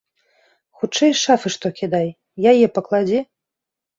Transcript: Хутчэй з шафы што кідай, яе пакладзі.